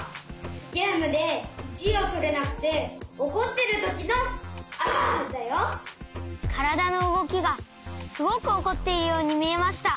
ゲームで１いをとれなくておこってるときの「あ！」だよ。からだのうごきがすごくおこっているようにみえました。